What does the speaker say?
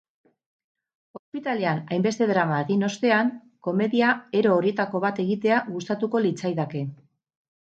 Ospitalean hainbeste drama egin ostean, komedia ero horietako bat egitea gustatuko litzaidake.